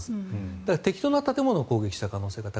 適当な建物を攻撃した可能性が高い。